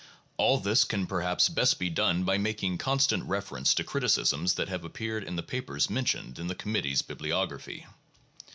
All this can perhaps best be done by making constant reference to criticisms that have ap peared in the papers mentioned in the Committee's Bibliography.